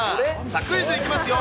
クイズいきますよ。